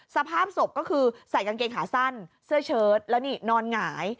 สภาพศพก็คือใส่กางเกงขาสั้นเสื้อเชิดแล้วนี่นอนหงาย